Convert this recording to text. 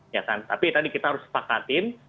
ya kan tapi tadi kita harus sepakatin